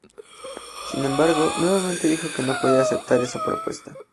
Sin embargo, nuevamente dijo que no podía aceptar esa propuesta.